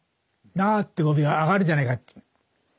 「なあ」って語尾が上がるじゃないかと。